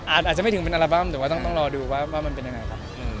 อาจจะไม่ถึงเป็นอัลบั้มแต่ว่าต้องรอดูว่ามันเป็นยังไงครับ